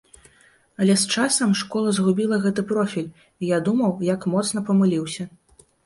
Але з часам школа згубіла гэты профіль, і я думаў, як моцна памыліўся.